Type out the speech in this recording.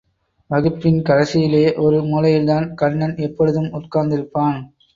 வகுப்பின் கடைசியிலே, ஒரு மூலையில்தான் கண்ணன் எப்பொழுதும் உட்கார்ந்திருப்பான்.